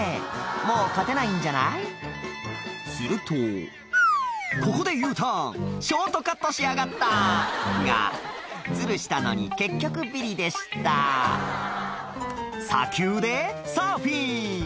もう勝てないんじゃないするとここでＵターンショートカットしやがったがズルしたのに結局ビリでした砂丘でサーフィン！